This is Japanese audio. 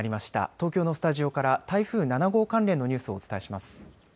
東京のスタジオから台風７号関連のニュースをお伝えします。